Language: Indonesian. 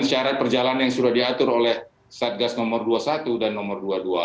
dan syarat perjalanan yang sudah diatur oleh satgas nomor dua puluh satu dan nomor dua puluh dua